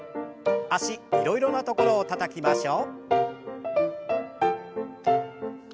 脚いろいろなところをたたきましょう。